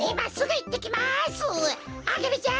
アゲルちゃん